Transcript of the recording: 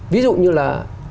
ví dụ như là